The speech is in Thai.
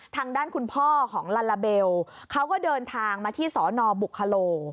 ทางด้านคุณพ่อของลาลาเบลเขาก็เดินทางมาที่สนบุคโล